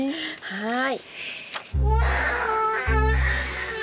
はい。